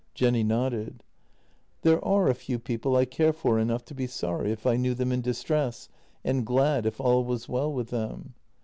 Jenny nodded: " There are a few people I care for enough to be sorry if I knew them in distress and glad if all was well with them.